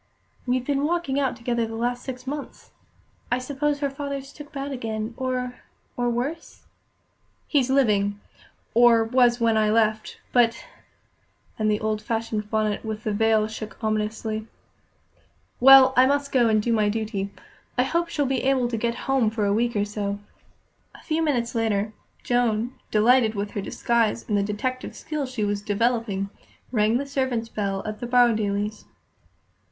"We've been walking out together the last six months. I suppose her father's took bad again, or or worse?" "He's living or was when I left; but " and the old fashioned bonnet with the veil shook ominously. "Well, I must go and do my duty. I hope she'll be able to get home for a week or so." A few minutes later, Joan, delighted with her disguise and the detective skill she was developing, rang the servants' bell at the Borrowdailes'.